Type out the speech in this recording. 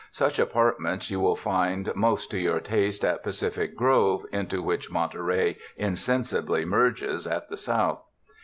Such apartments you will find most to your taste at Pacific Grove into which Monterey insensibly merges at the south.